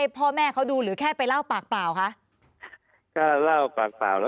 ผมก็เลยเห็นภาพเปิดหมดเลยนะครับ